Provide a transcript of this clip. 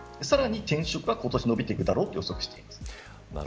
さらに転職が今年、伸びるだろうと予測しています。